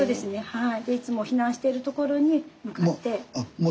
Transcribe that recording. はい。